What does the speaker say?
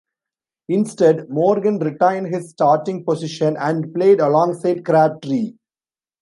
Instead, Morgan retained his starting position and played alongside Crabtree.